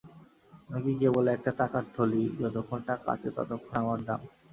আমি কি কেবল একটা টাকার থলি, যতক্ষণ টাকা আছে ততক্ষণ আমার দাম।